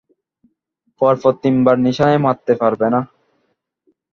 পরপর তিনবার নিশানায় মারতে পারবে না।